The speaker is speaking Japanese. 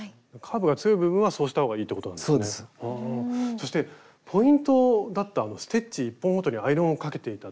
そしてポイントだったステッチ１本ごとにアイロンをかけていたところ。